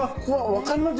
分かります？